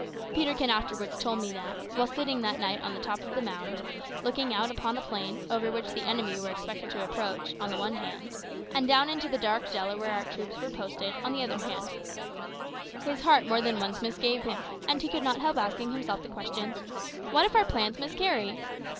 Peterkin afterwards told me that, while sitting that night on the top of the mound, looking out upon a plain, over which the enemy were expected to approach, on the one hand, and down into the dark dell where our troops were posted, on the other hand, his heart more than once misgave him; and he could not help asking himself the questions, "What if our plans miscarry?